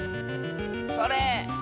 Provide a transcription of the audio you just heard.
それ！